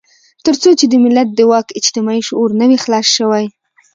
تر څو چې د ملت د واک اجتماعي شعور نه وي خلاص شوی.